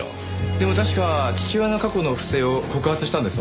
でも確か父親の過去の不正を告発したんですよね？